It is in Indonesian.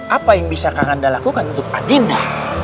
apa yang bisa kakanda lakukan untuk adinda